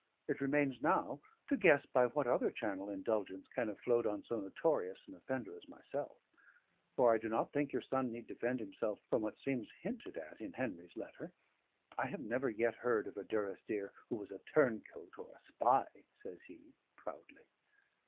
It remains now to guess by what other channel indulgence can have flowed on so notorious an offender as myself; for I do not think your son need defend himself from what seems hinted at in Henry's letter. I have never yet heard of a Durrisdeer who was a turncoat or a spy," says he proudly.